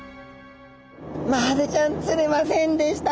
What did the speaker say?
マハゼちゃん釣れませんでした。